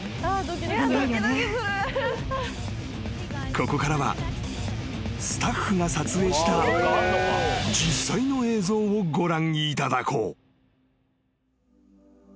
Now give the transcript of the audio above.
［ここからはスタッフが撮影した実際の映像をご覧いただこう］